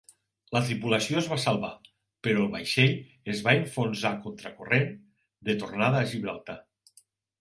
La tripulació es va salvar, però el vaixell es va enfonsar contra corrent de tornada a Gibraltar.